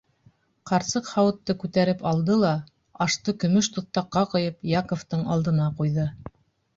Ҡарсыҡ һауытты күтәреп алды ла, ашты көмөш туҫтаҡҡа ҡойоп, Яковтың алдына ҡуйҙы.